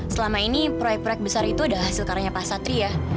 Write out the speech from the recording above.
selama ini proyek proyek besar itu adalah hasil karanya pak satria